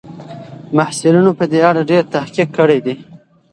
محصلینو په دې اړه ډېر تحقیق کړی دی.